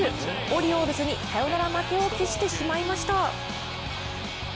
オリオールズにサヨナラ負けを喫してしまいました。